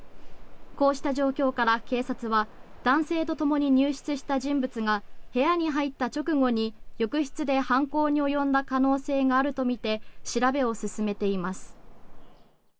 こうした状況から警察は男性とともに入室した人物が部屋に入った直後に浴室で犯行に及んだ可能性があるとみて調べを進めています。